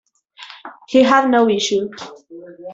He had no issue.